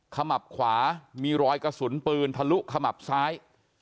ขมับขวามีรอยกระสุนปืนทะลุขมับซ้าย